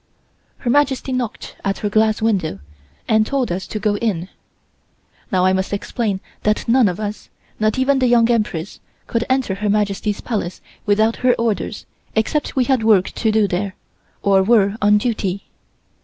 Her Majesty knocked at her glass window and told us to go in. Now I must explain that none of us, not even the Young Empress could enter Her Majesty's Palace without her orders except we had work to do there, or were on duty.